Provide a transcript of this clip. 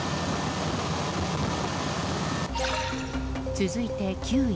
続いて９位。